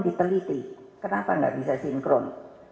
diteliti kenapa nggak bisa sinkron